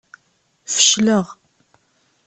Fecleɣ.